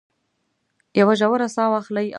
یوه ژوره ساه واخلئ او د ژوند نوی فصل شروع کړئ.